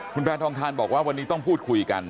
คุณแพทองทานบอกว่าวันนี้ต้องพูดคุยกัน